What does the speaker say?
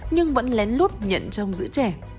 nhưng vẫn lén lút nhận trông giữ trẻ